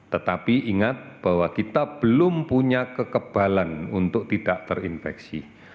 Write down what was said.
tetapi ingat bahwa kita belum punya kekebalan untuk tidak terinfeksi